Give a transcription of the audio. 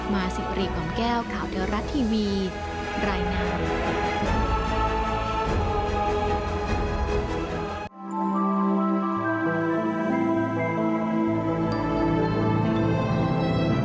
มาสิริของแก้วข่าวเที่ยวรัฐทีวีรายนาม